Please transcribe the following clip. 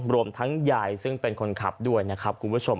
รวมทั้งยายซึ่งเป็นคนขับด้วยนะครับคุณผู้ชม